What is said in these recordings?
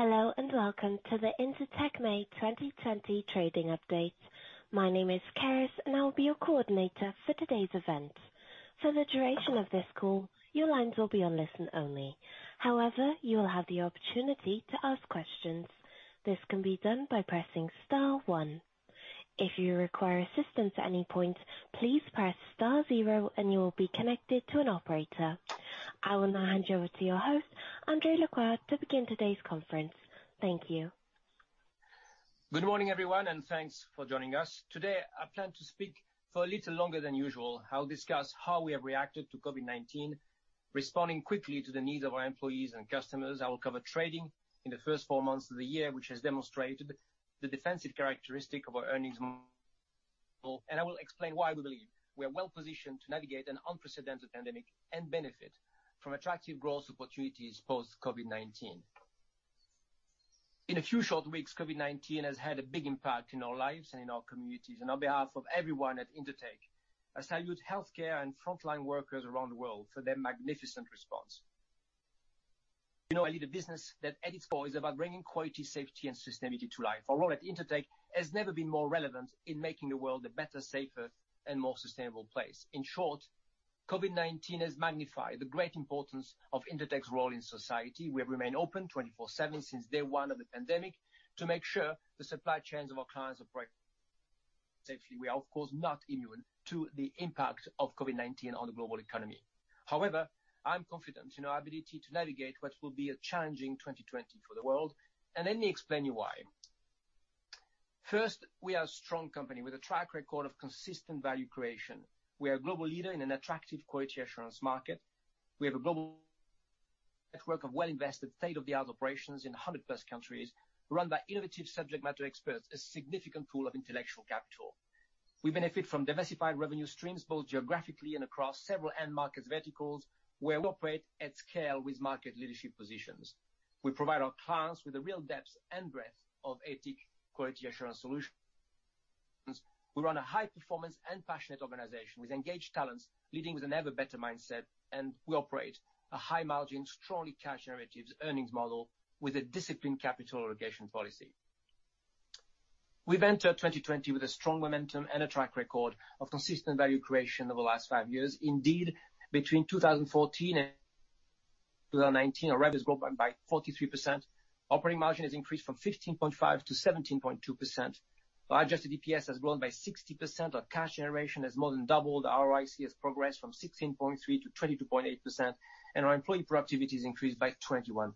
Hello, and welcome to the Intertek May 2020 Trading Update. My name is Charis, and I will be your coordinator for today's event. For the duration of this call, your lines will be on listen-only. However, you will have the opportunity to ask questions. This can be done by pressing star one. If you require assistance at any point, please press star zero and you will be connected to an operator. I will now hand you over to your host, André Lacroix, to begin today's conference. Thank you. Good morning, everyone, and thanks for joining us. Today, I plan to speak for a little longer than usual. I'll discuss how we have reacted to COVID-19, responding quickly to the needs of our employees and customers. I will cover trading in the first four months of the year, which has demonstrated the defensive characteristic of our earnings model, and I will explain why we believe we are well-positioned to navigate an unprecedented pandemic and benefit from attractive growth opportunities post COVID-19. In a few short weeks, COVID-19 has had a big impact in our lives and in our communities. And on behalf of everyone at Intertek, I salute healthcare and frontline workers around the world for their magnificent response. I lead a business that at its core is about bringing quality, safety, and sustainability to life. Our role at Intertek has never been more relevant in making the world a better, safer, and more sustainable place. In short, COVID-19 has magnified the great importance of Intertek's role in society. We have remained open 24/7 since day one of the pandemic to make sure the supply chains of our clients operate safely. We are, of course, not immune to the impact of COVID-19 on the global economy. However, I'm confident in our ability to navigate what will be a challenging 2020 for the world. Let me explain to you why. First, we are a strong company with a track record of consistent value creation. We are a global leader in an attractive quality assurance market. We have a global network of well invested state-of-the-art operations in 100 plus countries, run by innovative subject matter experts, a significant pool of intellectual capital. We benefit from diversified revenue streams, both geographically and across several end market verticals, where we operate at scale with market leadership positions. We provide our clients with the real depth and breadth of Intertek quality assurance solutions. We run a high performance and passionate organization with engaged talents, leading with an ever better mindset, and we operate a high margin, strongly cash generative earnings model with a disciplined capital allocation policy. We've entered 2020 with a strong momentum and a track record of consistent value creation over the last five years. Indeed, between 2014 and 2019, our revenue has grown by 43%. Operating margin has increased from 15.5% to 17.2%. Our adjusted EPS has grown by 60%. Our cash generation has more than doubled. Our ROIC has progressed from 16.3 to 22.8%, and our employee productivity has increased by 21%.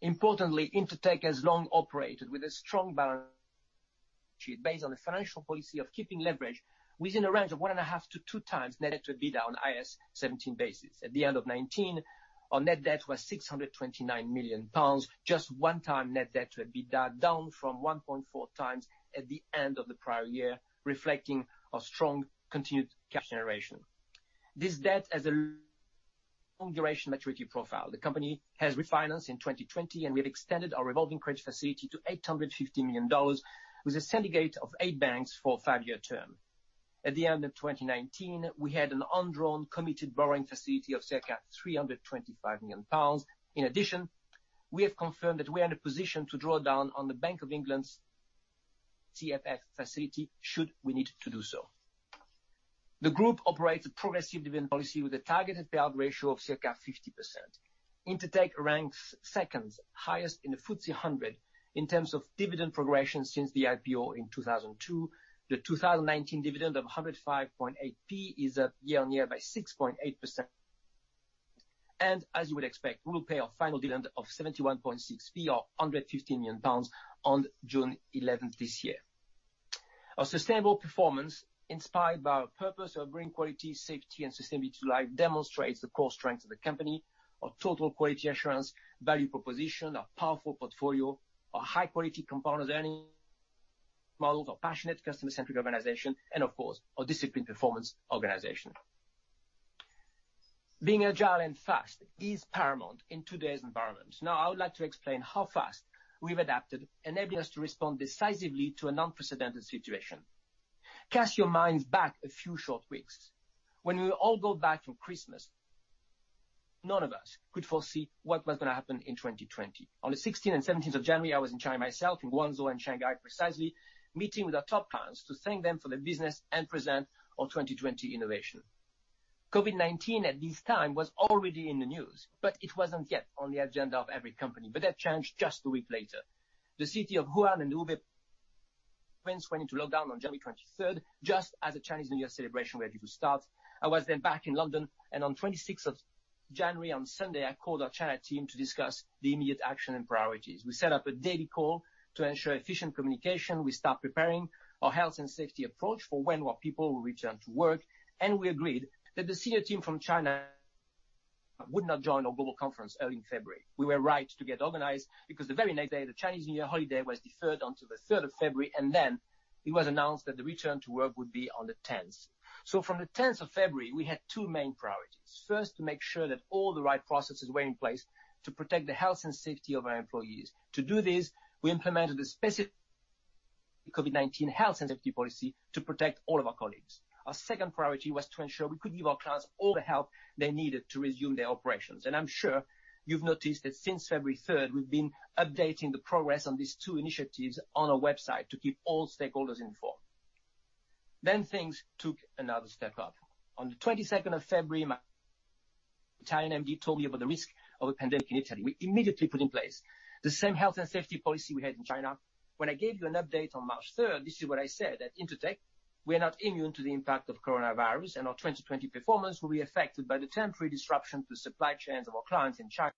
Importantly, Intertek has long operated with a strong balance sheet based on the financial policy of keeping leverage within a range of 1.5 to 2 times net debt to EBITDA on IAS 17 basis. At the end of 2019, our net debt was 629 million pounds, just one time net debt to EBITDA, down from 1.4 times at the end of the prior year, reflecting our strong continued cash generation. This debt has a long duration maturity profile. The company has refinanced in 2020, and we have extended our revolving credit facility to $850 million with a syndicate of eight banks for a five-year term. At the end of 2019, we had an undrawn committed borrowing facility of circa 325 million pounds. In addition, we have confirmed that we are in a position to draw down on the Bank of England's CCFF facility should we need to do so. The group operates a progressive dividend policy with a targeted payout ratio of circa 50%. Intertek ranks second highest in the FTSE 100 in terms of dividend progression since the IPO in 2002. The 2019 dividend of 1.058 is up year-on-year by 6.8%. As you would expect, we will pay our final dividend of 0.716 or 150 million pounds on June 11th this year. Our sustainable performance inspired by our purpose of bringing quality, safety, and sustainability to life demonstrates the core strength of the company, our total quality assurance value proposition, our powerful portfolio, our high-quality component earning models, our passionate customer-centric organization, and of course, our disciplined performance organization. Being agile and fast is paramount in today's environment. I would like to explain how fast we've adapted, enabling us to respond decisively to an unprecedented situation. Cast your minds back a few short weeks. When we all go back from Christmas, none of us could foresee what was going to happen in 2020. On the 16th and 17th of January, I was in China myself, in Guangzhou and Shanghai, precisely, meeting with our top clients to thank them for the business and present our 2020 innovation. COVID-19 at this time was already in the news, but it wasn't yet on the agenda of every company. That changed just a week later. The city of Wuhan and Hubei province went into lockdown on January 23rd, just as the Chinese New Year celebration were able to start. I was then back in London, and on 26th of January, on Sunday, I called our China team to discuss the immediate action and priorities. We set up a daily call to ensure efficient communication. We start preparing our health and safety approach for when our people will return to work, and we agreed that the senior team from China would not join our global conference early in February. We were right to get organized because the very next day, the Chinese New Year holiday was deferred until the 3rd of February, and then it was announced that the return to work would be on the 10th. From the 10th of February, we had two main priorities. First, to make sure that all the right processes were in place to protect the health and safety of our employees. To do this, we implemented a specific COVID-19 health and safety policy to protect all of our colleagues. Our second priority was to ensure we could give our clients all the help they needed to resume their operations. I'm sure you've noticed that since February 3rd, we've been updating the progress on these two initiatives on our website to keep all stakeholders informed. Things took another step up. On the 22nd of February, my Italian MD told me about the risk of a pandemic in Italy. We immediately put in place the same health and safety policy we had in China. When I gave you an update on March 3rd, this is what I said, that Intertek, we're not immune to the impact of coronavirus, and our 2020 performance will be affected by the temporary disruption to supply chains of our clients in China.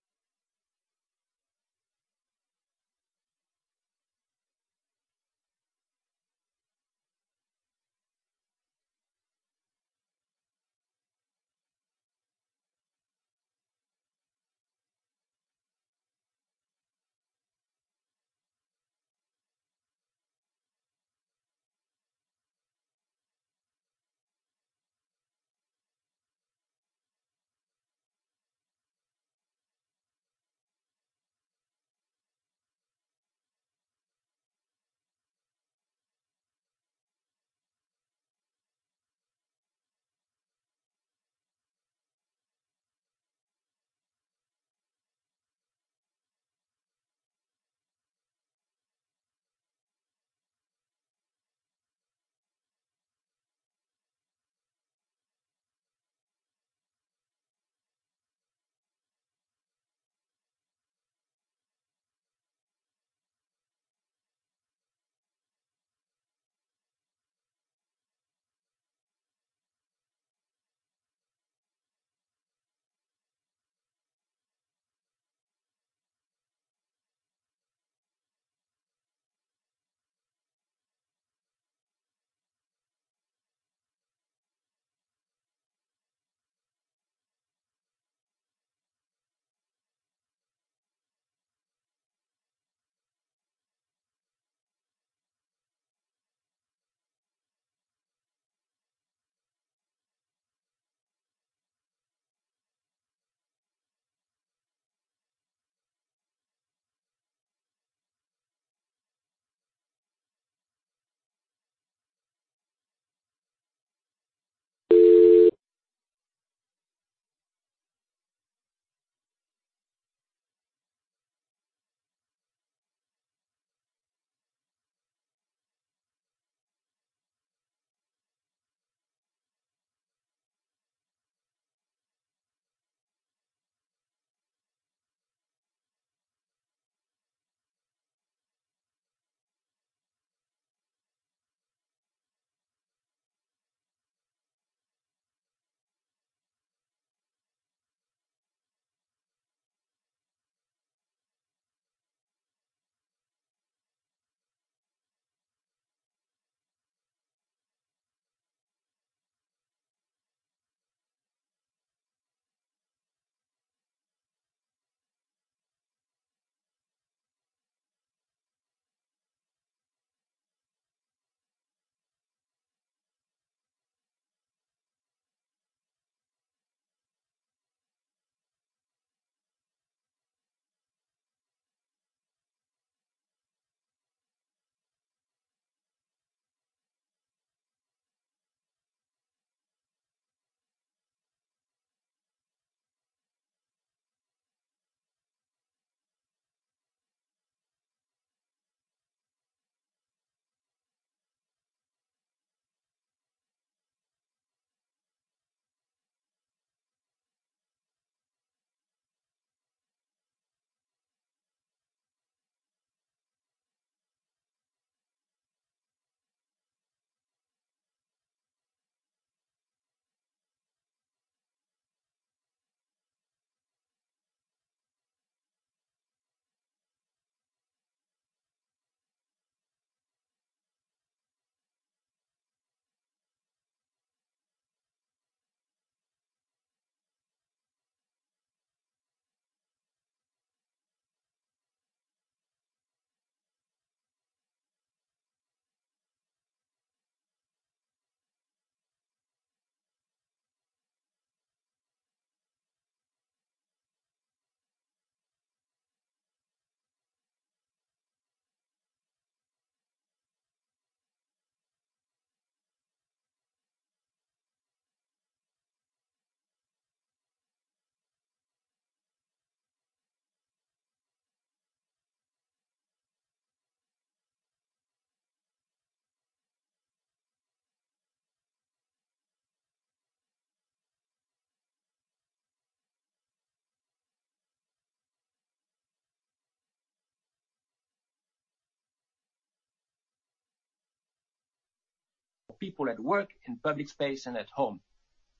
For people at work, in public space, and at home.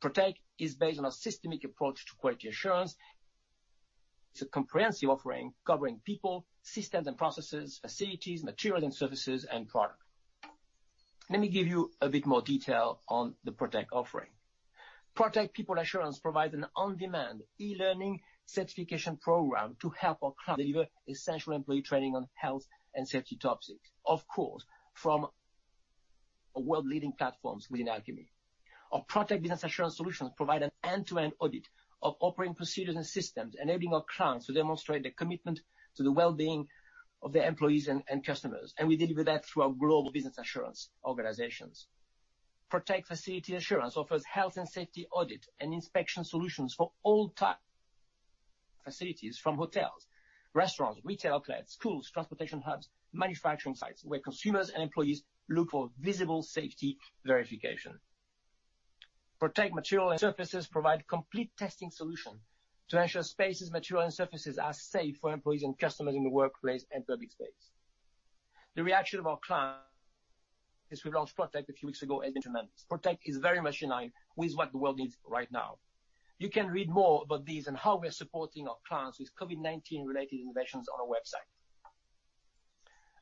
Protek is based on a systemic approach to quality assurance. It's a comprehensive offering covering people, systems and processes, facilities, materials and surfaces, and product. Let me give you a bit more detail on the Protek offering. Protek People Assurance provides an on-demand e-learning certification program to help our clients deliver essential employee training on health and safety topics. Of course, world-leading platforms within Alchemy. Our Protek Business Assurance solutions provide an end-to-end audit of operating procedures and systems, enabling our clients to demonstrate their commitment to the well-being of their employees and customers. We deliver that through our global business assurance organizations. Protek Facility Assurance offers health and safety audit and inspection solutions for all types of facilities from hotels, restaurants, retail outlets, schools, transportation hubs, manufacturing sites, where consumers and employees look for visible safety verification. Protek Materials and Surfaces provide complete testing solution to ensure spaces, material, and surfaces are safe for employees and customers in the workplace and public space. The reaction of our clients since we launched Protek a few weeks ago has been tremendous. Protek is very much in line with what the world needs right now. You can read more about these and how we are supporting our clients with COVID-19 related innovations on our website.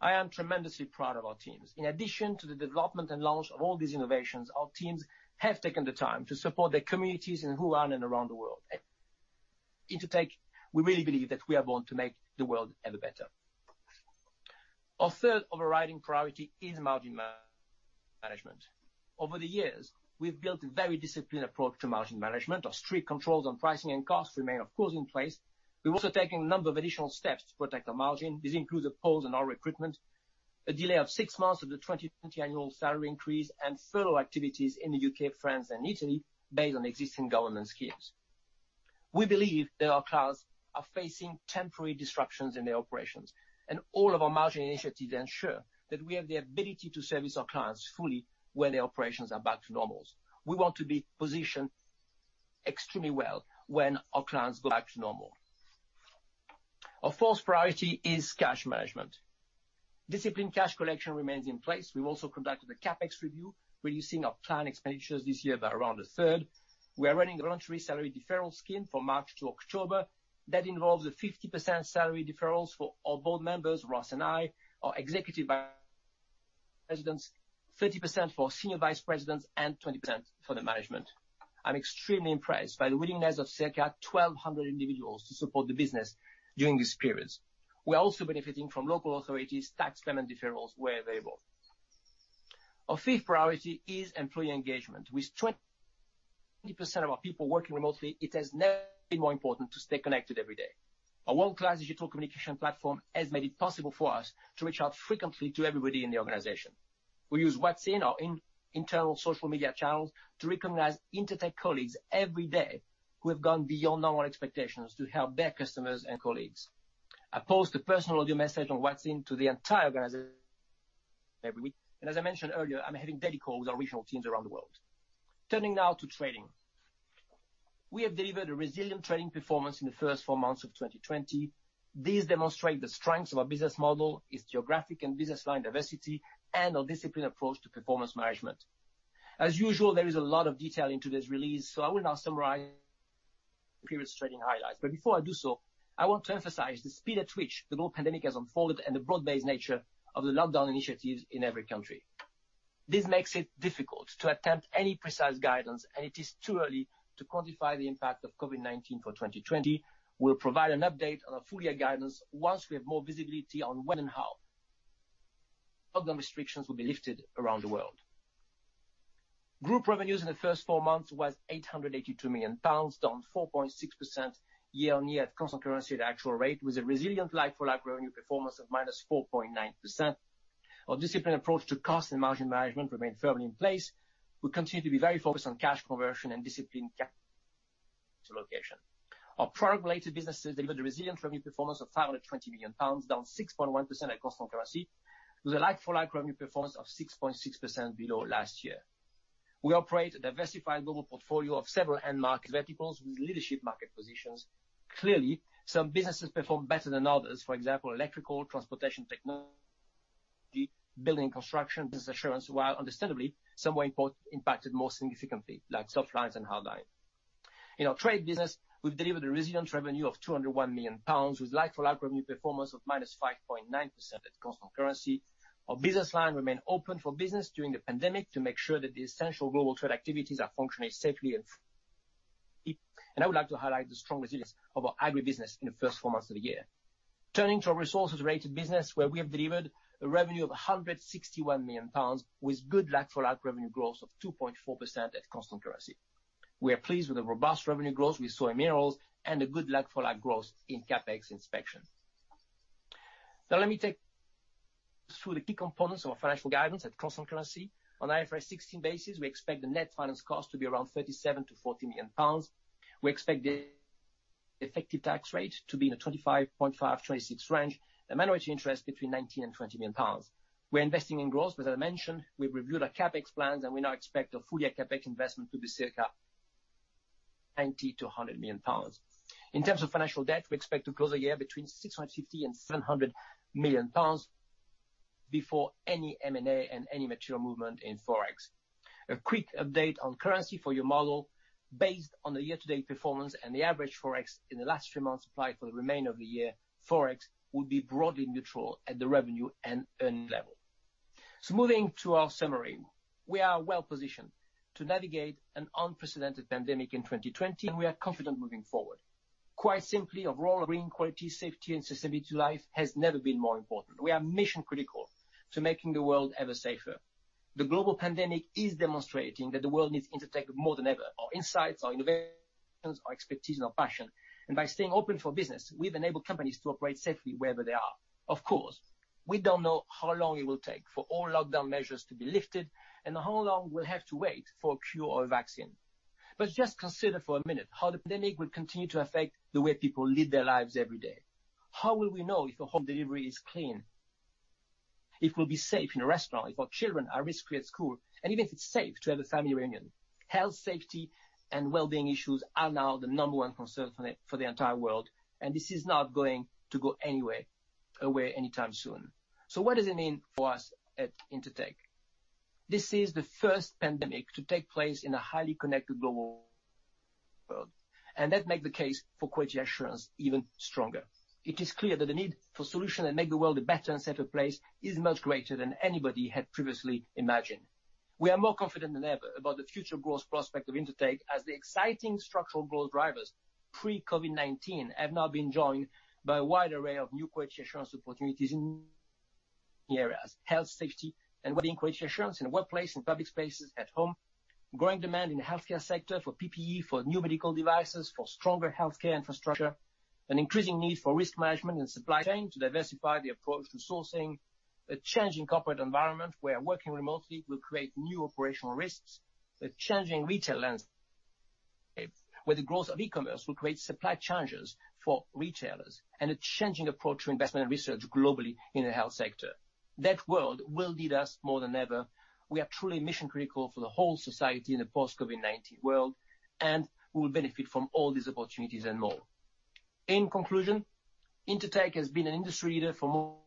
I am tremendously proud of our teams. In addition to the development and launch of all these innovations, our teams have taken the time to support their communities in Wuhan and around the world. At Intertek, we really believe that we are born to make the world ever better. Our third overriding priority is margin management. Over the years, we've built a very disciplined approach to margin management. Our strict controls on pricing and costs remain, of course, in place. We've also taken a number of additional steps to protect our margin. This includes a pause on our recruitment, a delay of six months of the 2020 annual salary increase, and furlough activities in the U.K., France, and Italy based on existing government schemes. We believe that our clients are facing temporary disruptions in their operations, and all of our margin initiatives ensure that we have the ability to service our clients fully when their operations are back to normal. We want to be positioned extremely well when our clients go back to normal. Our fourth priority is cash management. Disciplined cash collection remains in place. We've also conducted a CapEx review, reducing our planned expenditures this year by around a third. We are running a voluntary salary deferral scheme from March to October. That involves a 50% salary deferrals for our board members, Ross and me, our executive vice presidents, 30% for senior vice presidents, and 20% for the management. I'm extremely impressed by the willingness of circa 1,200 individuals to support the business during this period. We are also benefiting from local authorities' tax payment deferrals where available. Our fifth priority is employee engagement. With 20% of our people working remotely, it has never been more important to stay connected every day. A world-class digital communication platform has made it possible for us to reach out frequently to everybody in the organization. We use WhatsApp and our internal social media channels to recognize Intertek colleagues every day who have gone beyond normal expectations to help their customers and colleagues. I post a personal audio message on WhatsApp to the entire organization every week. As I mentioned earlier, I'm having daily calls with our regional teams around the world. Turning now to trading. We have delivered a resilient trading performance in the first 4 months of 2020. These demonstrate the strengths of our business model, its geographic and business line diversity, and our disciplined approach to performance management. As usual, there is a lot of detail into this release, so I will now summarize the period's trading highlights. Before I do so, I want to emphasize the speed at which the global pandemic has unfolded and the broad-based nature of the lockdown initiatives in every country. This makes it difficult to attempt any precise guidance, and it is too early to quantify the impact of COVID-19 for 2020. We'll provide an update on our full-year guidance once we have more visibility on when and how lockdown restrictions will be lifted around the world. Group revenues in the first four months was 882 million pounds, down 4.6% year-on-year at constant currency at actual rate, with a resilient like-for-like revenue performance of minus 4.9%. Our disciplined approach to cost and margin management remained firmly in place. We continue to be very focused on cash conversion and disciplined capital allocation. Our product-related businesses delivered a resilient revenue performance of 520 million pounds, down 6.1% at constant currency, with a like-for-like revenue performance of 6.6% below last year. We operate a diversified global portfolio of several end markets verticals with leadership market positions. Clearly, some businesses performed better than others. For example, electrical, transportation, technology, building and construction, Business Assurance, while understandably some were impacted more significantly, like soflines and hardlines. In our trade business, we've delivered a resilient revenue of 201 million pounds, with like-for-like revenue performance of -5.9% at constant currency. Our business line remained open for business during the pandemic to make sure that the essential global trade activities are functioning safely and freely. I would like to highlight the strong resilience of our agribusiness in the first four months of the year. Turning to our resources-related business, where we have delivered a revenue of 161 million pounds, with good like-for-like revenue growth of 2.4% at constant currency. We are pleased with the robust revenue growth we saw in minerals and a good like-for-like growth in CapEx inspection. Let me take you through the key components of our financial guidance at constant currency. On IFRS 16 basis, we expect the net finance cost to be around 37 million-40 million pounds. We expect the effective tax rate to be in the 25.5%-26% range, minority interest between 19 million and 20 million pounds. We are investing in growth. As I mentioned, we've reviewed our CapEx plans, we now expect our full-year CapEx investment to be circa 90 million-100 million pounds. In terms of financial debt, we expect to close the year between 650 million and 700 million pounds before any M&A and any material movement in Forex. A quick update on currency for your model. Based on the year-to-date performance and the average Forex in the last three months applied for the remainder of the year, Forex will be broadly neutral at the revenue and earn level. Moving to our summary. We are well-positioned to navigate an unprecedented pandemic in 2020, and we are confident moving forward. Quite simply, our role of bringing quality, safety, and sustainability to life has never been more important. We are mission-critical to making the world ever safer. The global pandemic is demonstrating that the world needs Intertek more than ever. Our insights, our innovations, our expertise, and our passion. By staying open for business, we've enabled companies to operate safely wherever they are. Of course, we don't know how long it will take for all lockdown measures to be lifted, and how long we'll have to wait for a cure or a vaccine. Just consider for a minute how the pandemic will continue to affect the way people live their lives every day. How will we know if a home delivery is clean? If we'll be safe in a restaurant, if our children are safe at school, and even if it's safe to have a family reunion. Health, safety, and wellbeing issues are now the number one concern for the entire world, and this is not going to go away anytime soon. What does it mean for us at Intertek? This is the first pandemic to take place in a highly connected global world, and that make the case for quality assurance even stronger. It is clear that the need for solutions that make the world a better and safer place is much greater than anybody had previously imagined. We are more confident than ever about the future growth prospect of Intertek as the exciting structural growth drivers pre-COVID-19 have now been joined by a wide array of new quality assurance opportunities in key areas: health, safety, and wellbeing, quality assurance in the workplace and public spaces, at home. Growing demand in the healthcare sector for PPE, for new medical devices, for stronger healthcare infrastructure. An increasing need for risk management and supply chain to diversify the approach to sourcing. A change in corporate environment where working remotely will create new operational risks. A changing retail landscape, where the growth of e-commerce will create supply challenges for retailers, and a changing approach to investment and research globally in the health sector. That world will need us more than ever. We are truly mission-critical for the whole society in a post-COVID-19 world, and we will benefit from all these opportunities and more. In conclusion, Intertek has been an industry leader for more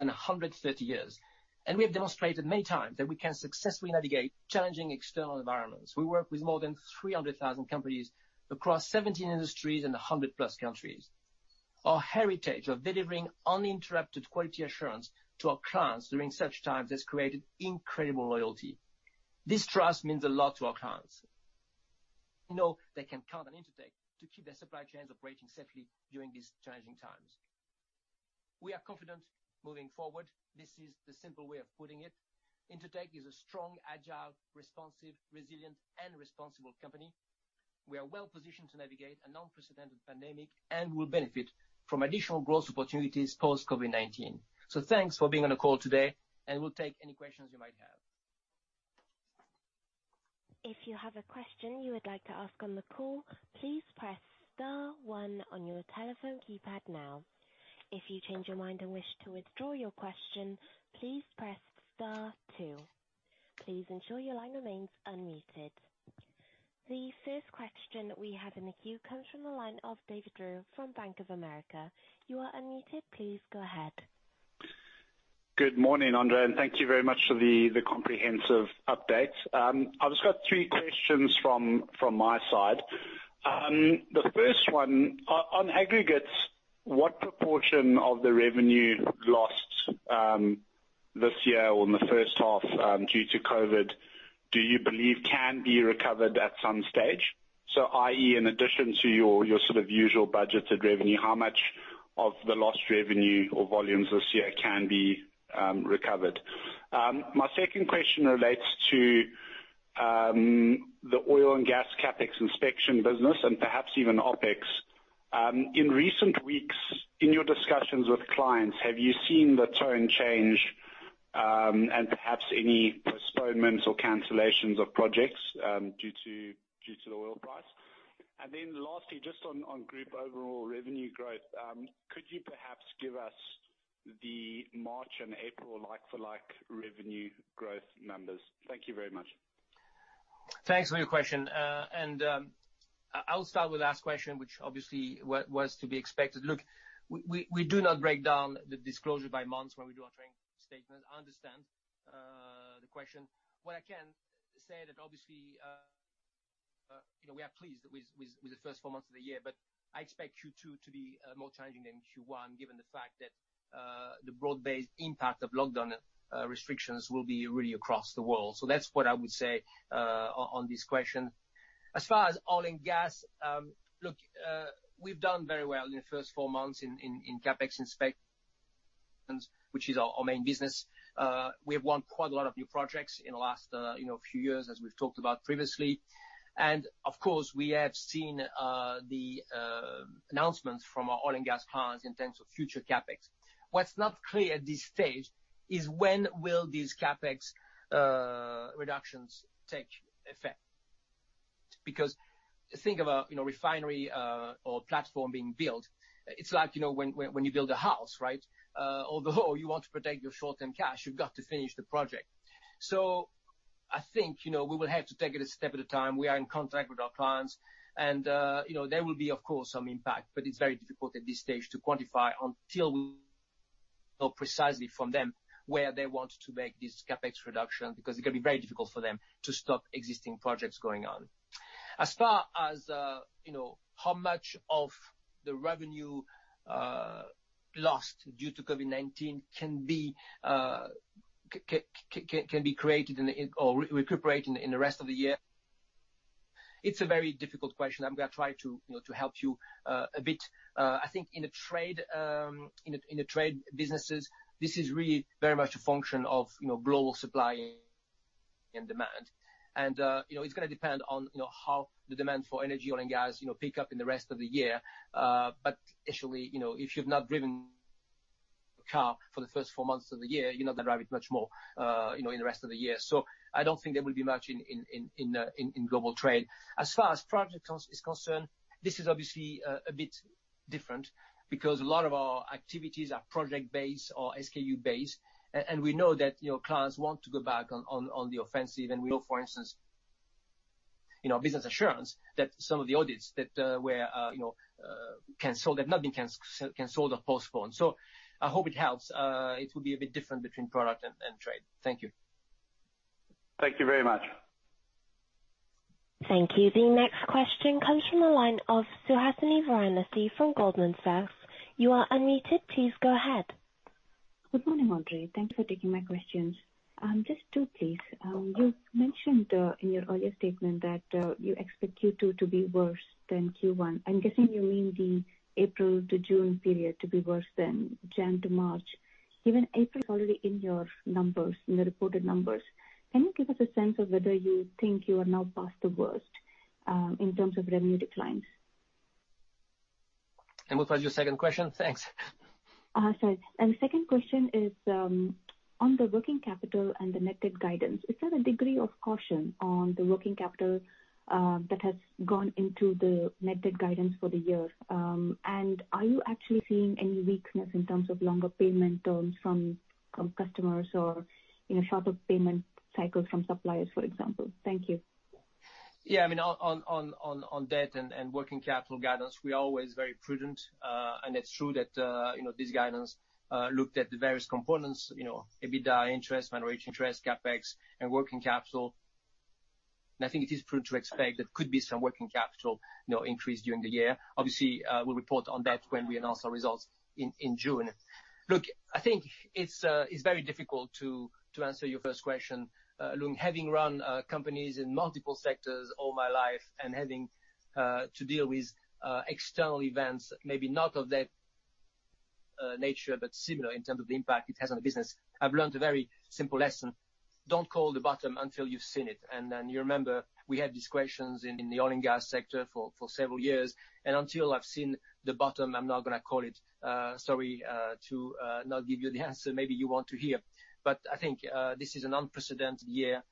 than 130 years, and we have demonstrated many times that we can successfully navigate challenging external environments. We work with more than 300,000 companies across 17 industries and 100-plus countries. Our heritage of delivering uninterrupted quality assurance to our clients during such times has created incredible loyalty. This trust means a lot to our clients. They know they can count on Intertek to keep their supply chains operating safely during these challenging times. We are confident moving forward. This is the simple way of putting it. Intertek is a strong, agile, responsive, resilient, and responsible company. We are well-positioned to navigate an unprecedented pandemic and will benefit from additional growth opportunities post-COVID-19. Thanks for being on the call today, and we'll take any questions you might have. If you have a question you would like to ask on the call, please press star one on your telephone keypad now. If you change your mind and wish to withdraw your question, please press star two. Please ensure your line remains unmuted. The first question we have in the queue comes from the line of David Drew from Bank of America. You are unmuted. Please go ahead. Good morning, André, thank you very much for the comprehensive update. I've just got three questions from my side. The first one, on aggregates, what proportion of the revenue lost this year or in the first half due to COVID, do you believe can be recovered at some stage? i.e., in addition to your usual budgeted revenue, how much of the lost revenue or volumes this year can be recovered? My second question relates to the oil and gas CapEx inspection business and perhaps even OpEx. In recent weeks, in your discussions with clients, have you seen the tone change, perhaps any postponements or cancellations of projects due to the oil price? Lastly, just on group overall revenue growth, could you perhaps give us the March and April like-for-like revenue growth numbers? Thank you very much. Thanks for your question. I'll start with the last question, which obviously was to be expected. Look, we do not break down the disclosure by months when we do our trading statement. I understand the question. What I can say that obviously, we are pleased with the first four months of the year, but I expect Q2 to be more challenging than Q1, given the fact that the broad-based impact of lockdown restrictions will be really across the world. That's what I would say on this question. As far as oil and gas, look, we've done very well in the first four months in CapEx inspections, which is our main business. We have won quite a lot of new projects in the last few years, as we've talked about previously. Of course, we have seen the announcements from our oil and gas clients in terms of future CapEx. What's not clear at this stage is when will these CapEx reductions take effect. Think of a refinery or platform being built. It's like when you build a house, right? Although you want to protect your short-term cash, you've got to finish the project. I think we will have to take it a step at a time. We are in contact with our clients and there will be, of course, some impact, but it's very difficult at this stage to quantify until we know precisely from them where they want to make these CapEx reductions, because it can be very difficult for them to stop existing projects going on. As far as how much of the revenue lost due to COVID-19 Can be created or recuperated in the rest of the year. It's a very difficult question. I'm going to try to help you a bit. I think in the trade businesses, this is really very much a function of global supply and demand. It's going to depend on how the demand for energy, oil, and gas pick up in the rest of the year. Actually, if you've not driven a car for the first four months of the year, you're not going to drive it much more in the rest of the year. I don't think there will be much in global trade. As far as project is concerned, this is obviously a bit different because a lot of our activities are project-based or SKU-based. We know that clients want to go back on the offensive. We know, for instance, business assurance that some of the audits that were canceled, have not been canceled or postponed. I hope it helps. It will be a bit different between product and trade. Thank you. Thank you very much. Thank you. The next question comes from the line of Suhasini Varanasi from Goldman Sachs. You are unmuted. Please go ahead. Good morning, André. Thanks for taking my questions. Just two, please. You mentioned in your earlier statement that you expect Q2 to be worse than Q1. I'm guessing you mean the April to June period to be worse than January to March. Given April is already in your numbers, in the reported numbers, can you give us a sense of whether you think you are now past the worst, in terms of revenue declines? What was your second question? Thanks. Sorry. The second question is, on the working capital and the net debt guidance, is there a degree of caution on the working capital that has gone into the net debt guidance for the year? Are you actually seeing any weakness in terms of longer payment terms from customers or shorter payment cycles from suppliers, for example? Thank you. Yeah, on debt and working capital guidance, we're always very prudent. It's true that this guidance looked at the various components, EBITDA, interest, minority interest, CapEx, and working capital. I think it is prudent to expect there could be some working capital increase during the year. Obviously, we'll report on that when we announce our results in June. Look, I think it's very difficult to answer your first question. Having run companies in multiple sectors all my life and having to deal with external events, maybe not of that nature, but similar in terms of the impact it has on the business, I've learned a very simple lesson. Don't call the bottom until you've seen it. You remember, we had these questions in the oil and gas sector for several years. Until I've seen the bottom, I'm not going to call it. Sorry to not give you the answer maybe you want to hear. I think this is an unprecedented year.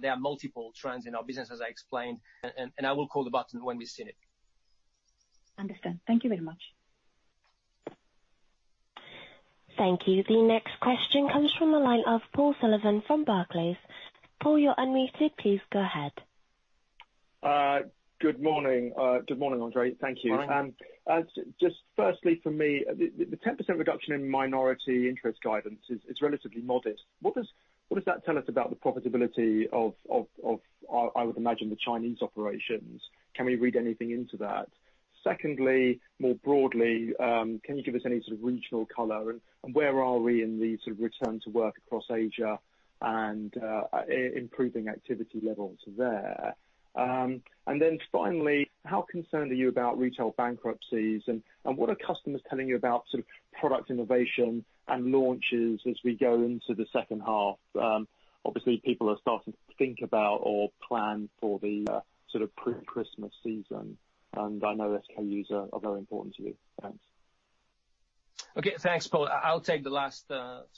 There are multiple trends in our business, as I explained, and I will call the bottom when we've seen it. Understood. Thank you very much. Thank you. The next question comes from the line of Paul Sullivan from Barclays. Paul, you're unmuted. Please go ahead. Good morning. Good morning, André. Thank you. Morning. Just firstly for me, the 10% reduction in minority interest guidance is relatively modest. What does that tell us about the profitability of, I would imagine, the Chinese operations? Can we read anything into that? Secondly, more broadly, can you give us any sort of regional color, and where are we in the sort of return to work across Asia and improving activity levels there? Finally, how concerned are you about retail bankruptcies, and what are customers telling you about product innovation and launches as we go into the second half? Obviously, people are starting to think about or plan for the pre-Christmas season. I know SKUs are very important to you. Thanks. Okay. Thanks, Paul. I'll take the last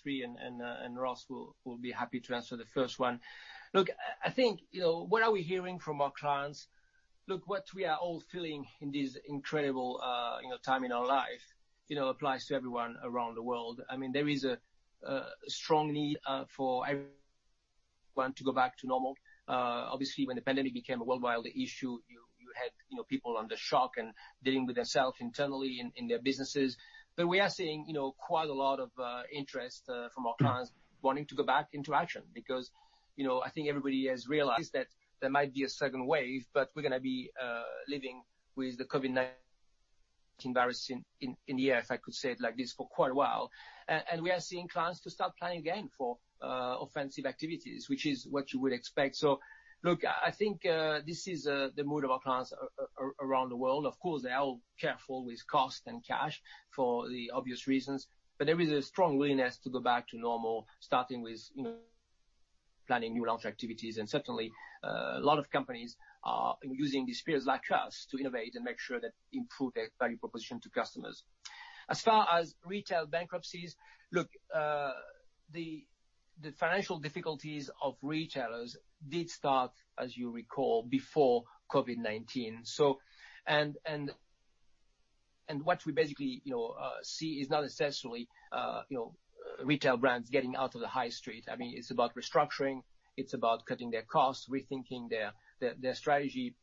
three, and Ross will be happy to answer the first one. I think what are we hearing from our clients, what we are all feeling in this incredible time in our life, applies to everyone around the world. There is a strong need for everyone to go back to normal. Obviously, when the pandemic became a worldwide issue, you had people under shock and dealing with themselves internally in their businesses. We are seeing quite a lot of interest from our clients wanting to go back into action because, I think everybody has realized that there might be a second wave, but we're going to be living with the COVID-19 virus in the air, if I could say it like this, for quite a while. We are seeing clients to start planning again for offensive activities, which is what you would expect. Look, I think this is the mood of our clients around the world. Of course, they're all careful with cost and cash for the obvious reasons, but there is a strong willingness to go back to normal, starting with planning new launch activities. Certainly, a lot of companies are using these periods like us to innovate and make sure they improve their value proposition to customers. As far as retail bankruptcies, look, the financial difficulties of retailers did start, as you recall, before COVID-19. What we basically see is not necessarily retail brands getting out of the high street. It's about restructuring. It's about cutting their costs, rethinking their strategy.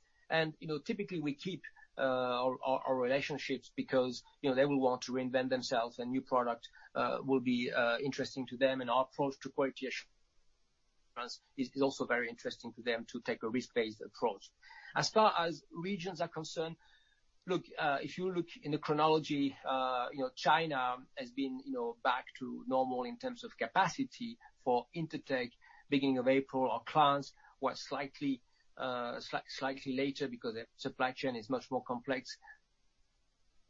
Typically, we keep our relationships because they will want to reinvent themselves, and new product will be interesting to them and our approach to quality assurance is also very interesting to them to take a risk-based approach. As far as regions are concerned, if you look in the chronology, China has been back to normal in terms of capacity for Intertek, beginning of April. Our clients were slightly later because their supply chain is much more complex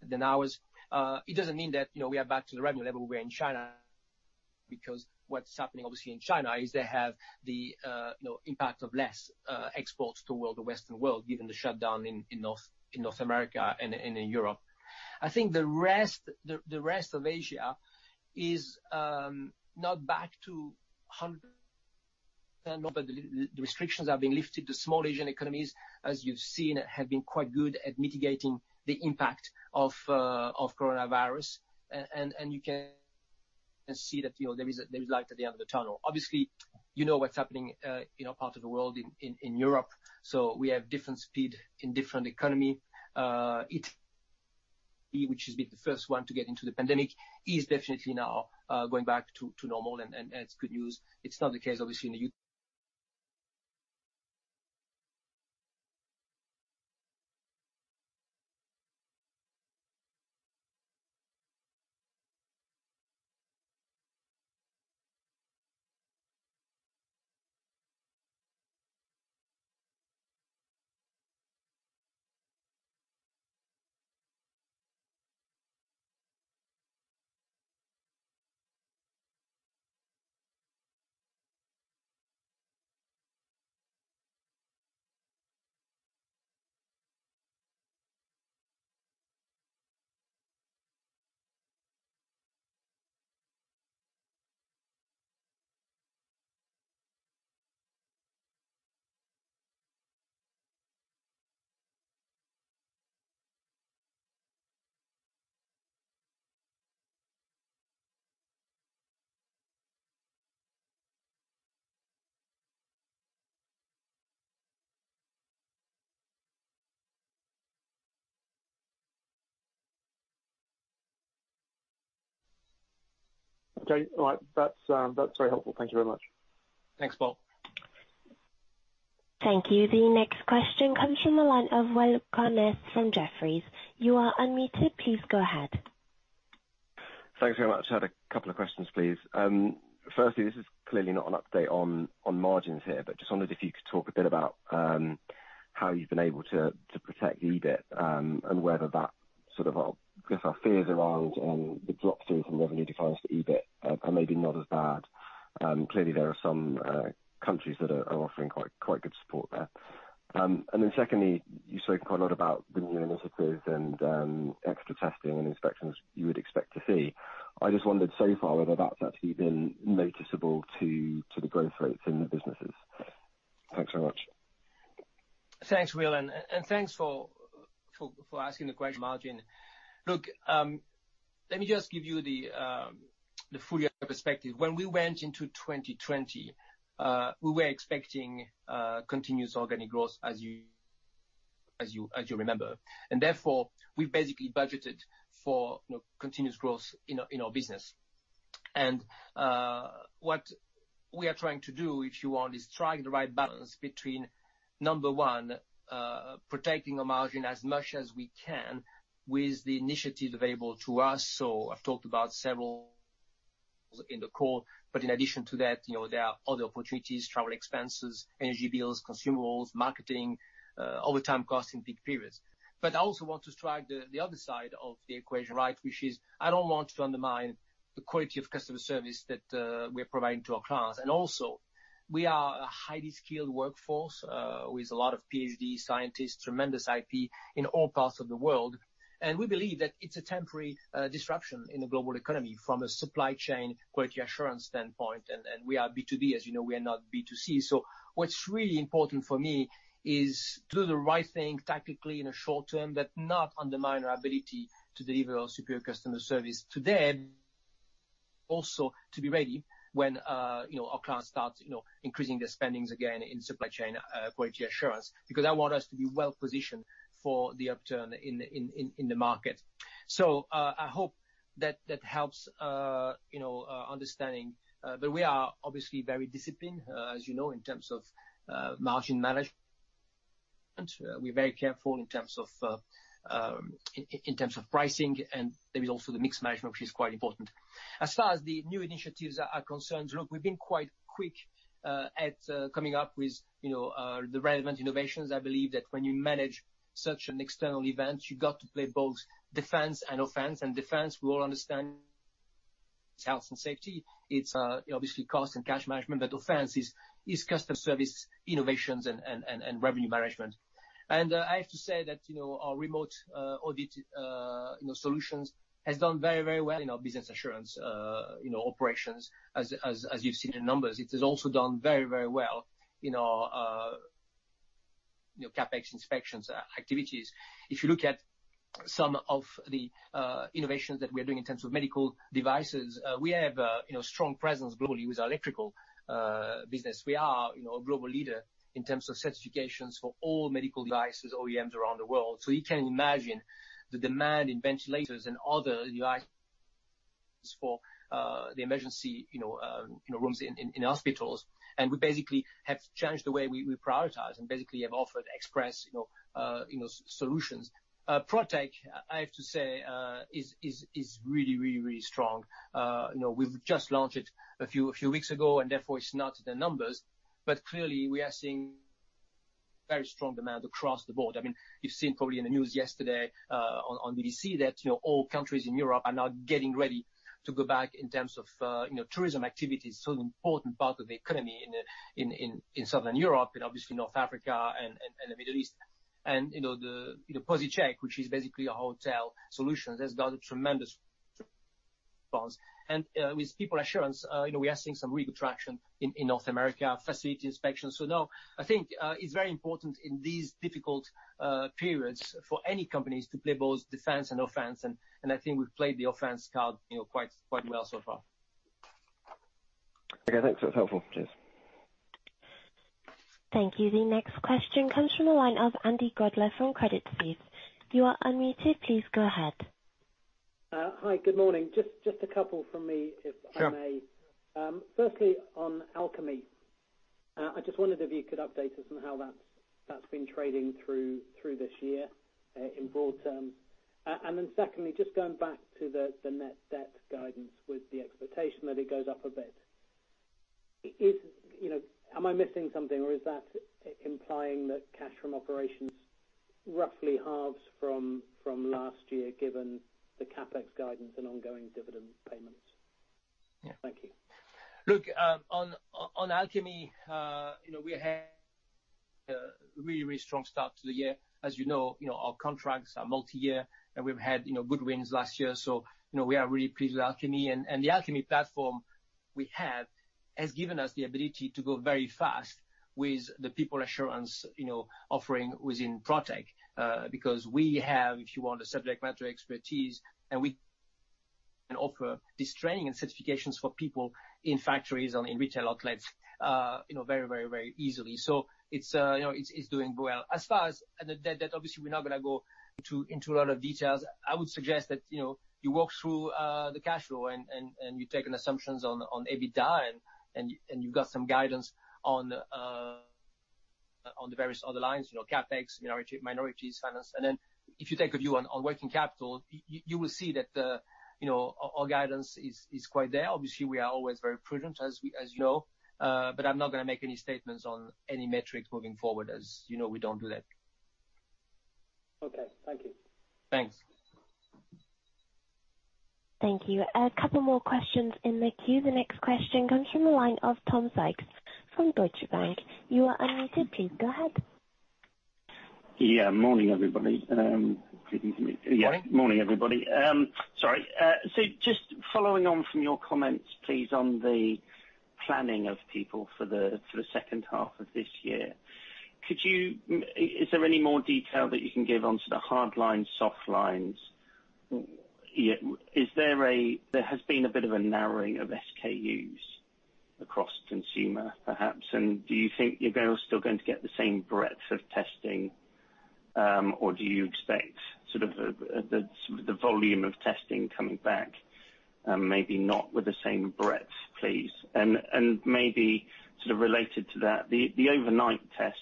than ours. It doesn't mean that we are back to the revenue level we were in China, because what's happening, obviously, in China is they have the impact of less exports toward the Western world, given the shutdown in North America and in Europe. I think the rest of Asia is not back to 100%, but the restrictions are being lifted. The small Asian economies, as you've seen, have been quite good at mitigating the impact of coronavirus. You can see that there is light at the end of the tunnel. Obviously, you know what's happening in our part of the world, in Europe. We have different speed in different economy. Italy, which has been the first one to get into the pandemic, is definitely now going back to normal, and that's good news. It's not the case, obviously, in the U--. Okay. All right. That's very helpful. Thank you very much. Thanks, Paul. Thank you. The next question comes from the line of Will Cames from Jefferies. You are unmuted. Please go ahead. Thanks very much. I had a couple of questions, please. Firstly, this is clearly not an update on margins here, but just wondered if you could talk a bit about how you've been able to protect EBIT, and whether that sort of, I guess, our fears around the drop through from revenue to profits to EBIT are maybe not as bad. Clearly, there are some countries that are offering quite good support there. Then secondly, you spoke quite a lot about the new initiatives and extra testing and inspections you would expect to see. I just wondered so far whether that's actually been noticeable to the growth rates in the businesses. Thanks so much. Thanks, Will. Thanks for asking the question margin. Look, let me just give you the full year perspective. When we went into 2020, we were expecting continuous organic growth as you remember. Therefore, we basically budgeted for continuous growth in our business. What we are trying to do, if you want, is strike the right balance between, number 1, protecting our margin as much as we can with the initiatives available to us. I've talked about several in the call, but in addition to that, there are other opportunities, travel expenses, energy bills, consumables, marketing, overtime costs in peak periods. I also want to strike the other side of the equation, which is, I don't want to undermine the quality of customer service that we're providing to our clients. We are a highly skilled workforce with a lot of PhD scientists, tremendous IP in all parts of the world. We believe that it's a temporary disruption in the global economy from a supply chain quality assurance standpoint. We are B2B as you know, we are not B2C. What's really important for me is do the right thing tactically in a short term, but not undermine our ability to deliver our superior customer service today, and also to be ready when our clients start increasing their spendings again in supply chain quality assurance. I want us to be well-positioned for the upturn in the market. I hope that helps understanding. We are obviously very disciplined, as you know, in terms of margin management. We're very careful in terms of pricing, and there is also the mix management, which is quite important. As far as the new initiatives are concerned, look, we've been quite quick at coming up with the relevant innovations. I believe that when you manage such an external event, you got to play both defense and offense. Defense, we all understand, it's health and safety, it's obviously cost and cash management, but offense is customer service innovations and revenue management. I have to say that our remote audit solutions has done very well in our Business Assurance operations, as you've seen the numbers. It has also done very well in our CapEx inspections activities. If you look at some of the innovations that we are doing in terms of medical devices, we have a strong presence globally with our electrical business. We are a global leader in terms of certifications for all medical devices, OEMs around the world. You can imagine the demand in ventilators and other device- for the emergency rooms in hospitals. We basically have changed the way we prioritize and basically have offered express solutions. Protek, I have to say, is really strong. We've just launched it a few weeks ago, and therefore it's not the numbers, but clearly we are seeing very strong demand across the board. You've seen probably in the news yesterday, on BBC that all countries in Europe are now getting ready to go back in terms of tourism activities, so an important part of the economy in Southern Europe and obviously North Africa and the Middle East. The POSI-Check, which is basically a hotel solution, has done a tremendous bounce. With People Assurance, we are seeing some real traction in North America, facility inspections. No, I think, it's very important in these difficult periods for any companies to play both defense and offense, and I think we've played the offense card quite well so far. Okay, thanks. That's helpful. Cheers. Thank you. The next question comes from the line of Andy Grobler from Credit Suisse. You are unmuted. Please go ahead. Hi, good morning. Just a couple from me if I may. Sure. Firstly, on Alchemy. I just wondered if you could update us on how that's been trading through this year, in broad terms. Secondly, just going back to the net debt guidance with the expectation that it goes up a bit. Am I missing something or is that implying that cash from operations roughly halves from last year, given the CapEx guidance and ongoing dividend payments? Yeah. Thank you. Look, on Alchemy, we had a really strong start to the year. As you know, our contracts are multi-year, and we've had good wins last year, so, we are really pleased with Alchemy. The Alchemy platform we have, has given us the ability to go very fast with the People Assurance offering within Protek. Because we have, if you want the subject matter expertise, and we can offer this training and certifications for people in factories and in retail outlets very easily. It's doing well. As far as the debt, obviously we're not gonna go into a lot of details. I would suggest that you walk through the cash flow and you take an assumptions on EBITDA, and you've got some guidance on the various other lines, CapEx, minorities, finance. Then if you take a view on working capital, you will see that our guidance is quite there. Obviously, we are always very prudent, as you know. I'm not gonna make any statements on any metrics moving forward as we don't do that. Okay. Thank you. Thanks. Thank you. A couple more questions in the queue. The next question comes from the line of Tom Sykes from Deutsche Bank. You are unmuted. Please go ahead. Yeah. Morning, everybody. Morning. Morning, everybody. Sorry. Just following on from your comments, please, on the planning of people for the second half of this year. Is there any more detail that you can give on sort of hardlines, softlines? There has been a bit of a narrowing of SKUs across consumer perhaps. Do you think you're still going to get the same breadth of testing, or do you expect sort of the volume of testing coming back, maybe not with the same breadth, please? Maybe sort of related to that, the overnight tests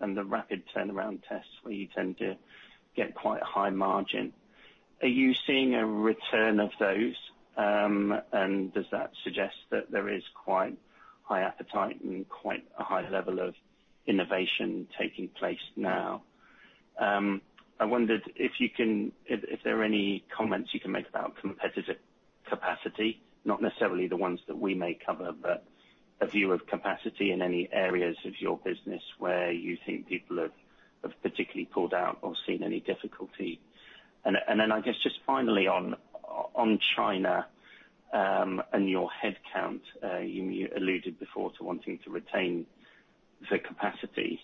and the rapid turnaround tests where you tend to get quite a high margin, are you seeing a return of those? Does that suggest that there is quite high appetite and quite a high level of innovation taking place now? I wondered if there are any comments you can make about competitive capacity, not necessarily the ones that we may cover, but a view of capacity in any areas of your business where you think people have particularly pulled out or seen any difficulty. I guess just finally on China, and your headcount, you alluded before to wanting to retain the capacity.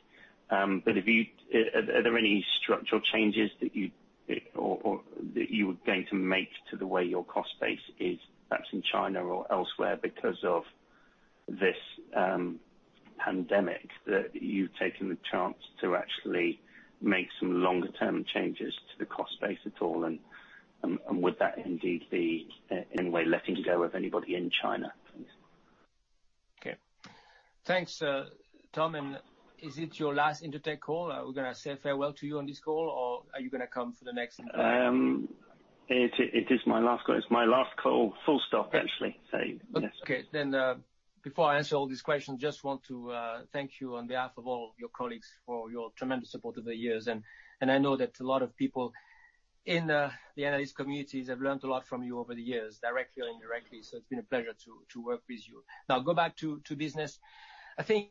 Are there any structural changes that you are going to make to the way your cost base is, perhaps in China or elsewhere because of this pandemic, that you've taken the chance to actually make some longer term changes to the cost base at all? Would that indeed be in any way letting go of anybody in China? Okay. Thanks, Tom. Is it your last Intertek call? Are we gonna say farewell to you on this call, or are you gonna come for the next one? It is my last call. It's my last call, full stop, actually. Yes. Okay, before I answer all these questions, I just want to thank you on behalf of all your colleagues for your tremendous support over the years. I know that a lot of people in the analyst communities have learned a lot from you over the years, directly or indirectly, so it's been a pleasure to work with you. Now go back to business. I think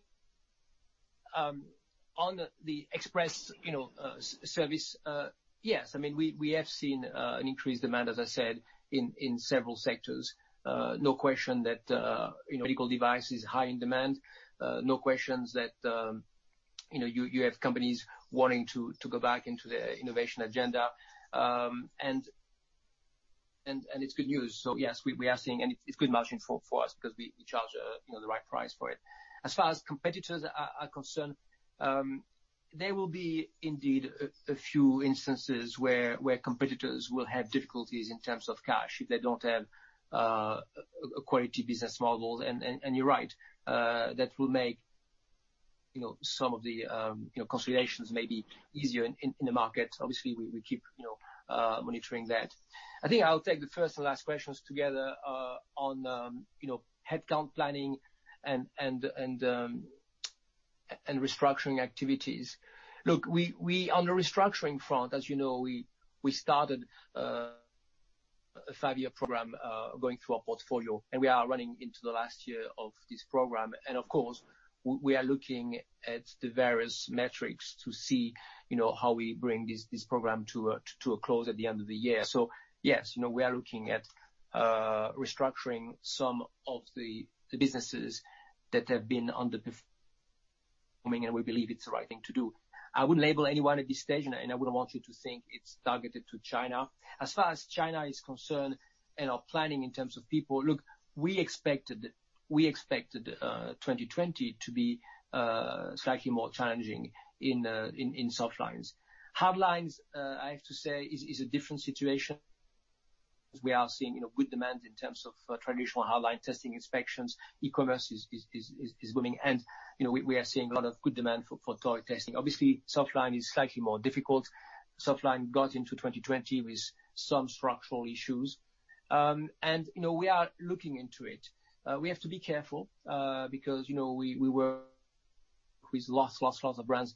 on the express service, yes, we have seen an increased demand, as I said, in several sectors. No question that medical device is high in demand. No question that you have companies wanting to go back into the innovation agenda. It's good news. Yes, and it's good margin for us because we charge the right price for it. As far as competitors are concerned, there will be indeed a few instances where competitors will have difficulties in terms of cash if they don't have a quality business model. You're right, some of the consolidations may be easier in the market. Obviously, we keep monitoring that. I think I will take the first and last questions together on headcount planning and restructuring activities. Look, on the restructuring front, as you know, we started a five-year program going through our portfolio, and we are running into the last year of this program. Of course, we are looking at the various metrics to see how we bring this program to a close at the end of the year. Yes, we are looking at restructuring some of the businesses that have been underperforming, and we believe it's the right thing to do. I wouldn't label anyone at this stage, and I wouldn't want you to think it's targeted to China. As far as China is concerned and our planning in terms of people, look, we expected 2020 to be slightly more challenging in softlines. Hardlines, I have to say, is a different situation as we are seeing good demand in terms of traditional hardline testing inspections. e-commerce is booming, and we are seeing a lot of good demand for toy testing. Obviously, softline is slightly more difficult. Softline got into 2020 with some structural issues. We are looking into it. We have to be careful, because we work with lots of brands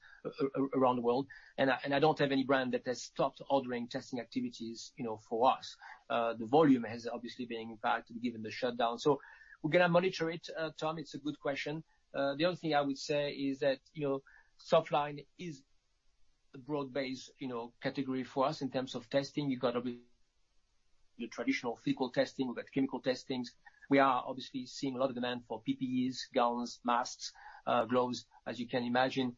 around the world, and I don't have any brand that has stopped ordering testing activities for us. The volume has obviously been impacted given the shutdown. We're going to monitor it, Tom. It's a good question. The other thing I would say is that softline is a broad-based category for us in terms of testing. You've got the traditional physical testing. We've got chemical testings. We are obviously seeing a lot of demand for PPEs, gowns, masks, gloves, as you can imagine.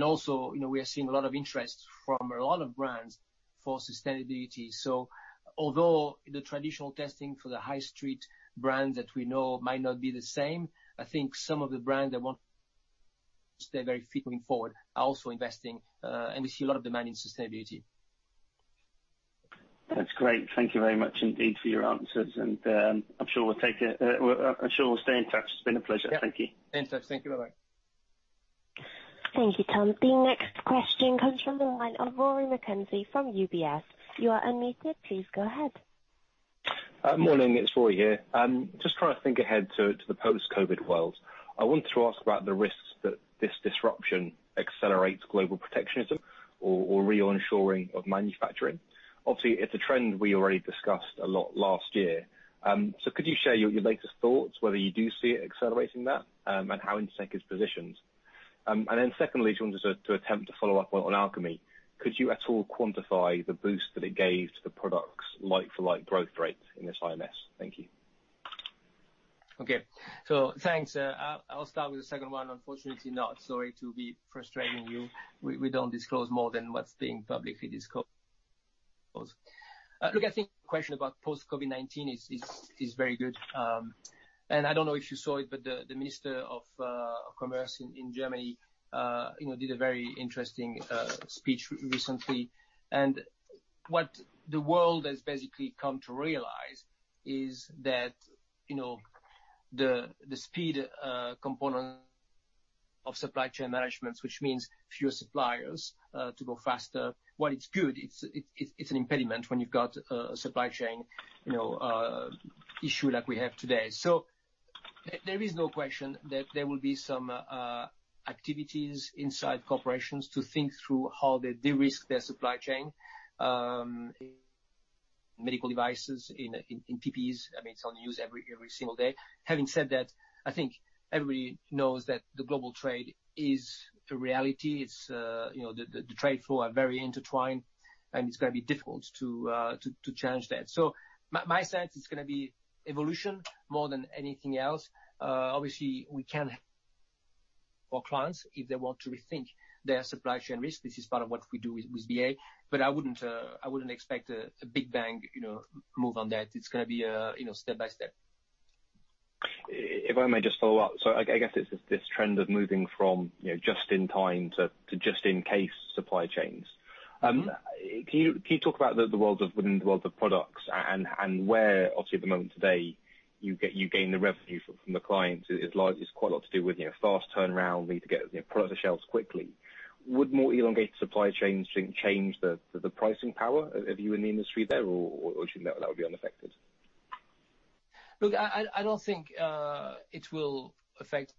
Also, we are seeing a lot of interest from a lot of brands for sustainability. Although the traditional testing for the high street brands that we know might not be the same, I think some of the brands that want to stay very fit going forward are also investing, and we see a lot of demand in sustainability. That's great. Thank you very much indeed for your answers. I'm sure we'll stay in touch. It's been a pleasure. Thank you. Yeah. Stay in touch. Thank you. Bye-bye. Thank you, Tom. The next question comes from the line of Rory McKenzie from UBS. You are unmuted. Please go ahead. Morning. It's Rory here. Trying to think ahead to the post-COVID world. I wanted to ask about the risks that this disruption accelerates global protectionism or re-onshoring of manufacturing. It's a trend we already discussed a lot last year. Could you share your latest thoughts, whether you do see it accelerating that, and how Intertek is positioned? Secondly, if you want me to attempt to follow up on Alchemy, could you at all quantify the boost that it gave to the products like-for-like growth rates in this IMS? Thank you. Okay. Thanks. I'll start with the second one. Unfortunately not. Sorry to be frustrating you. We don't disclose more than what's being publicly disclosed. Look, I think the question about post COVID-19 is very good. I don't know if you saw it, but the Minister of Commerce in Germany did a very interesting speech recently. What the world has basically come to realize is that the speed component of supply chain management, which means fewer suppliers to go faster, while it's good, it's an impediment when you've got a supply chain issue like we have today. There is no question that there will be some activities inside corporations to think through how they de-risk their supply chain medical devices in PPEs. It's on the news every single day. Having said that, I think everybody knows that the global trade is a reality. The trade flow are very intertwined, and it's going to be difficult to change that. My sense it's going to be evolution more than anything else. Obviously, we can for clients if they want to rethink their supply chain risk. This is part of what we do with BA. I wouldn't expect a big bang move on that. It's going to be step by step. If I may just follow up. I guess it's this trend of moving from just in time to just in case supply chains. Can you talk about within the world of products and where obviously at the moment today you gain the revenue from the clients, it's quite a lot to do with fast turnaround, need to get products on shelves quickly. Would more elongated supply chains change the pricing power of you in the industry there, or that would be unaffected? Look, I don't think it will affect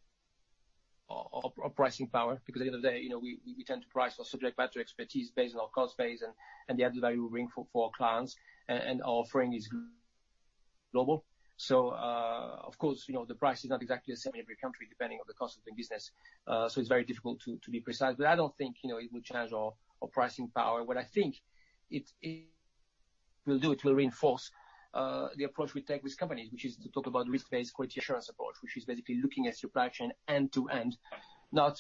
our pricing power because at the end of the day, we tend to price our subject matter expertise based on our cost base and the added value we bring for our clients, and our offering is global. Of course, the price is not exactly the same in every country, depending on the cost of doing business. It's very difficult to be precise. I don't think it will change our pricing power. What I think it will do, it will reinforce the approach we take with companies, which is to talk about risk-based quality assurance approach, which is basically looking at supply chain end to end, not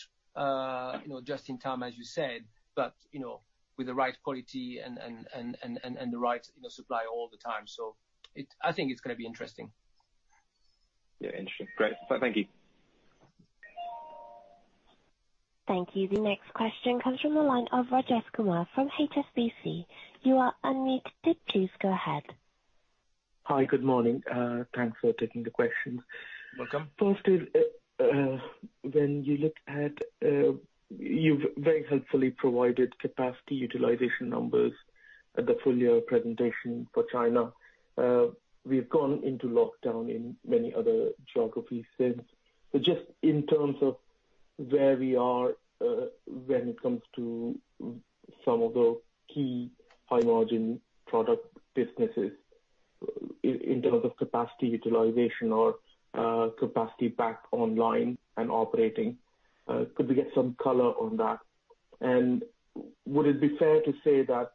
just in time, as you said, but with the right quality and the right supply all the time. I think it's going to be interesting. Yeah, interesting. Great. Thank you. Thank you. The next question comes from the line of Raj Escuma from HSBC. You are unmuted. Please go ahead. Hi. Good morning. Thanks for taking the questions. Welcome. First is, you've very helpfully provided capacity utilization numbers at the full year presentation for China. We've gone into lockdown in many other geographies since. Just in terms of where we are, when it comes to some of the key high margin product businesses in terms of capacity utilization or capacity back online and operating, could we get some color on that? Would it be fair to say that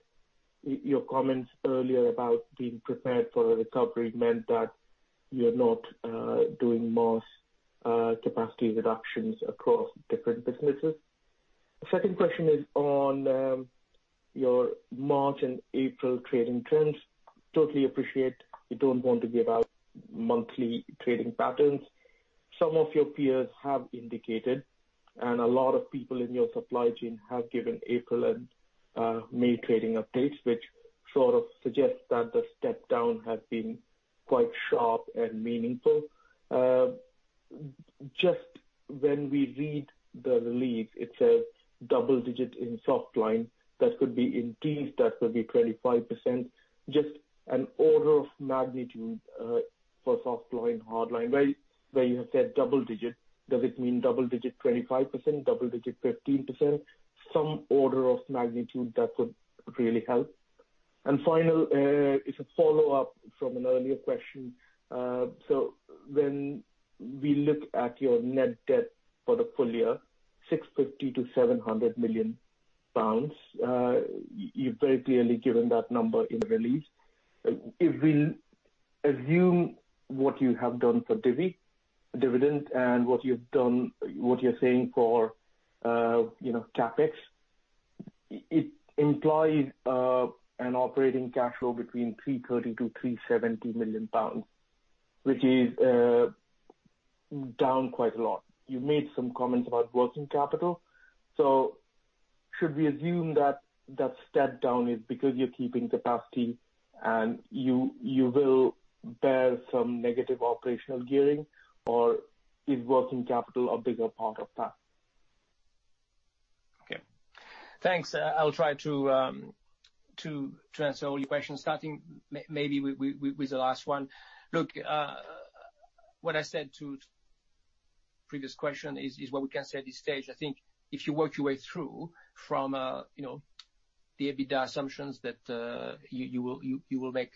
your comments earlier about being prepared for a recovery meant that you're not doing mass capacity reductions across different businesses? Second question is on your March and April trading terms. Totally appreciate you don't want to give out monthly trading patterns. Some of your peers have indicated, and a lot of people in your supply chain have given April and May trading updates, which sort of suggests that the step down has been quite sharp and meaningful. Just when we read the release, it says double-digit in softline. That could be in teens, that could be 25%. Just an order of magnitude, for softline, hardline, where you have said double-digit, does it mean double-digit 25%? Double-digit 15%? Some order of magnitude that would really help. Final, it's a follow-up from an earlier question. When we look at your net debt for the full year, 650 million-700 million pounds, you've very clearly given that number in the release. If we assume what you have done for dividend and what you're saying for CapEx, it implies an operating cash flow between 330 million-370 million pounds. Which is down quite a lot. You've made some comments about working capital. Should we assume that step down is because you're keeping capacity and you will bear some negative operational gearing? Or is working capital a bigger part of that? Okay. Thanks. I'll try to answer all your questions, starting maybe with the last one. Look, what I said to previous question is what we can say at this stage. I think if you work your way through from the EBITDA assumptions that you will make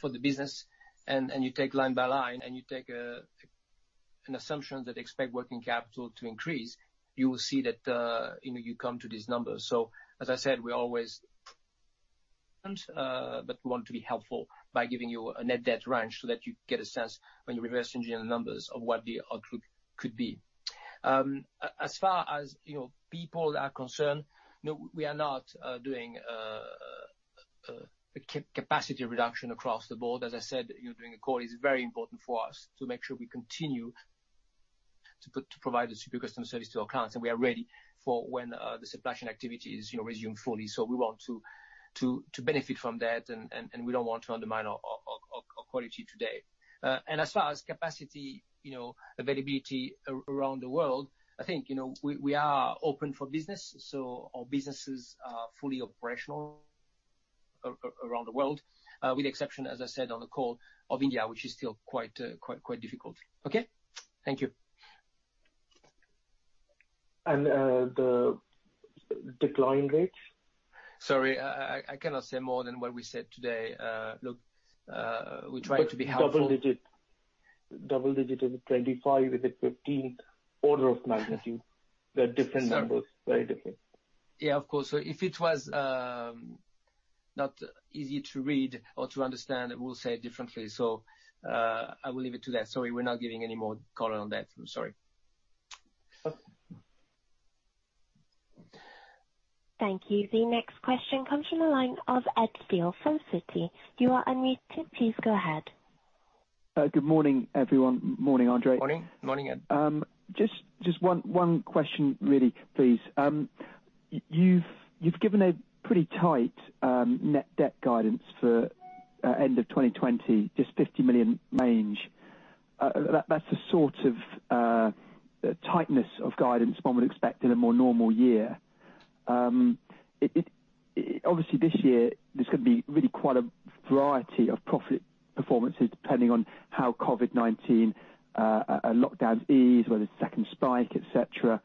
for the business, and you take line by line, and you take an assumption that expect working capital to increase, you will see that you come to these numbers. As I said, we always want to be helpful by giving you a net debt range so that you get a sense when you reverse engineer the numbers of what the outlook could be. As far as people are concerned, no, we are not doing a capacity reduction across the board. As I said during the call, it's very important for us to make sure we continue to provide a superior customer service to our clients. We are ready for when the supply chain activity is resumed fully. We want to benefit from that, and we don't want to undermine our quality today. As far as capacity availability around the world, I think, we are open for business, so our businesses are fully operational around the world. With the exception, as I said on the call, of India, which is still quite difficult. Okay. Thank you. The decline rate? Sorry, I cannot say more than what we said today. Look, we try to be helpful. Double digit. Double digit. Is it 25? Is it 15? Order of magnitude. They're different numbers. Very different. Yeah, of course. If it was not easy to read or to understand, we'll say it differently. I will leave it to that. Sorry, we're not giving any more color on that. I'm sorry. Okay. Thank you. The next question comes from the line of Ed Steel from Citi. You are unmuted. Please go ahead. Good morning, everyone. Morning, Andre. Morning. Morning, Ed. Just one question really, please. You've given a pretty tight net debt guidance for end of 2020, just 50 million range. That's the sort of tightness of guidance one would expect in a more normal year. This year there's going to be really quite a variety of profit performances depending on how COVID-19 lockdowns ease, whether it's second spike, et cetera.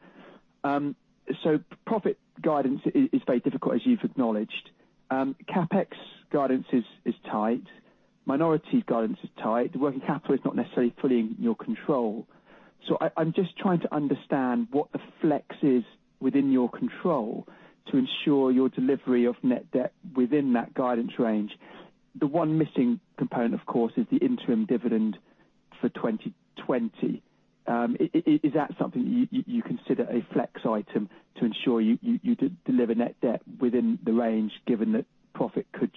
Profit guidance is very difficult, as you've acknowledged. CapEx guidance is tight. Minority guidance is tight. The working capital is not necessarily fully in your control. I'm just trying to understand what the flex is within your control to ensure your delivery of net debt within that guidance range. The one missing component, of course, is the interim dividend for 2020. Is that something you consider a flex item to ensure you deliver net debt within the range given that profit could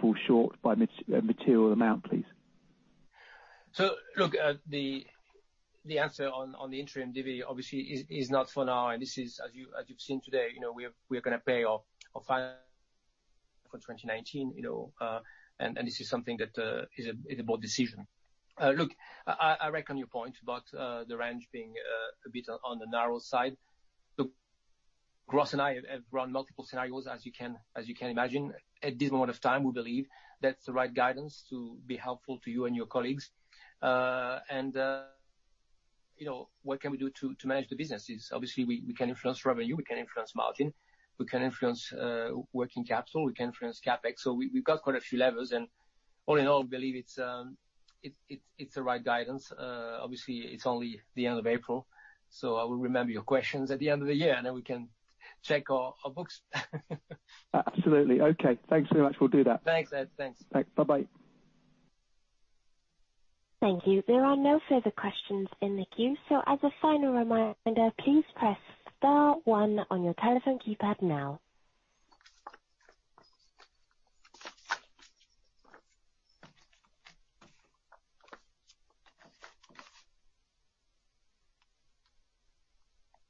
fall short by a material amount, please? Look, the answer on the interim divvy obviously is not for now. This is as you've seen today, we are gonna pay our final for 2019. This is something that is a board decision. Look, I reckon your point about the range being a bit on the narrow side. Look, Ross and I have run multiple scenarios, as you can imagine. At this moment of time, we believe that's the right guidance to be helpful to you and your colleagues. What can we do to manage the businesses? Obviously, we can influence revenue, we can influence margin, we can influence working capital, we can influence CapEx. We've got quite a few levers, and all in all, believe it's the right guidance. Obviously, it's only the end of April. I will remember your questions at the end of the year. We can check our books. Absolutely. Okay. Thanks very much. We'll do that. Thanks, Ed. Thanks. Thanks. Bye-bye. Thank you. There are no further questions in the queue. As a final reminder, please press star one on your telephone keypad now.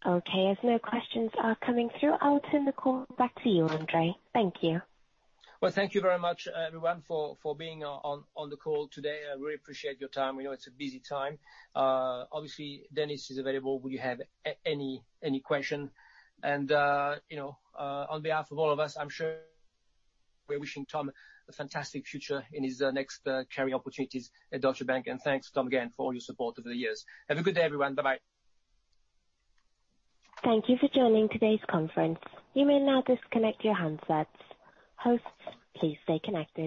Okay, as no questions are coming through, I'll turn the call back to you, André. Thank you. Well, thank you very much, everyone, for being on the call today. I really appreciate your time. We know it's a busy time. Obviously, Denis is available if you have any questions. On behalf of all of us, I'm sure we're wishing Tom a fantastic future in his next career opportunities at Deutsche Bank. Thanks, Tom, again, for all your support over the years. Have a good day, everyone. Bye-bye. Thank you for joining today's conference. You may now disconnect your handsets. Hosts, please stay connected.